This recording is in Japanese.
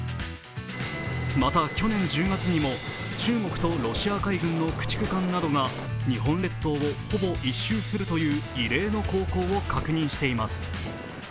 また、去年１０月にも中国とロシア海軍の駆逐艦などが日本列島をほぼ一周するという異例の航行を確認しています。